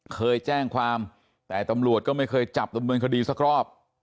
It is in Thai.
เคยแจ้งความแต่ตำรวจก็ไม่เคยจับดำเนินคดีสักรอบ